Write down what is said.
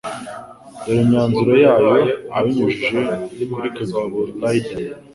Dore imyanzuro yayo abinyujije kuri Kagabo Ryder